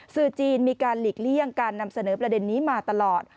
สื่อจีนมีการหลีกเลี่ยงการนำเสนอประเด็นนี้มาตลอด